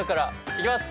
いきます。